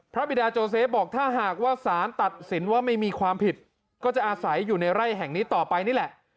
บิดาโจเซฟบอกถ้าหากว่าสารตัดสินว่าไม่มีความผิดก็จะอาศัยอยู่ในไร่แห่งนี้ต่อไปนี่แหละ